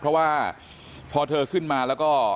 เพราะว่าพอเธอขึ้นมาแล้วก็